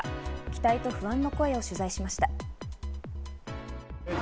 期待と不安の声を取材しました。